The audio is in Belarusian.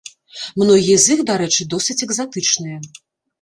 Многія з іх, дарэчы, досыць экзатычныя.